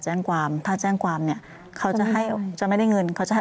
แจ้งความถ้าแจ้งความเนี่ยเขาจะให้จะไม่ได้เงินเขาจะให้